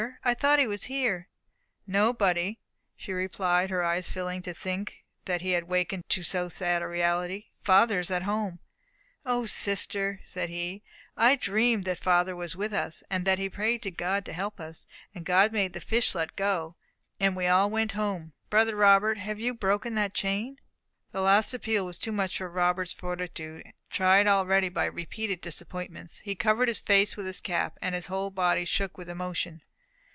I thought he was here." "No, buddy," she replied, her eyes filling to think that he had awakened to so sad a reality, "father is at home." "O, sister," said he, "I dreamed that father was with us, that he prayed to God to help us, and God made the fish let go, and we all went home. Brother Robert, have you broken that chain?" This last appeal was too much for Robert's fortitude, tried already by repeated disappointments. He covered his face with his cap, and his whole body shook with emotion.